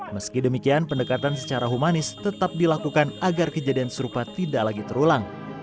meski demikian pendekatan secara humanis tetap dilakukan agar kejadian serupa tidak lagi terulang